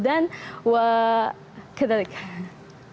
dan seperti itu